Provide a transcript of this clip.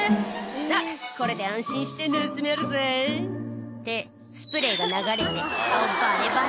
「さぁこれで安心して盗めるぜ」ってスプレーが流れて顔バレバレ